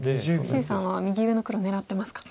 謝さんは右上の黒狙ってますか。